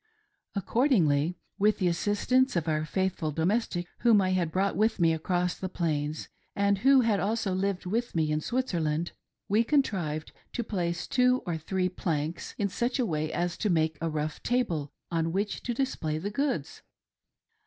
Accordingly, with the assist ance of our faithful domestic, whom I had brought with me across the Plains, and who had also lived with me in Switzerr land, we contrived to place two or three planks in such a way as to make a rough table on which to display the goods.